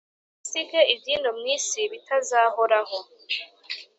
musige iby'ino mw isi bitazahoraho,